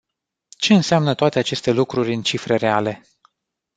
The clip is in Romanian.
Ce înseamnă toate aceste lucruri în cifre reale?